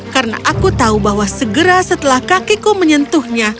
karena aku tahu bahwa segera setelah kakiku menyentuhnya